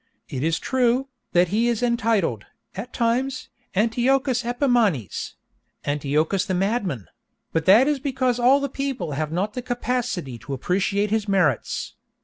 It is true, that he is entitled, at times, Antiochus Epimanes—Antiochus the madman—but that is because all people have not the capacity to appreciate his merits.